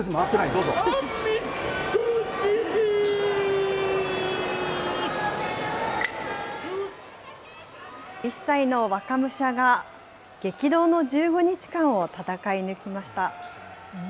２１歳の若武者が、激動の１５日間を戦い抜きました。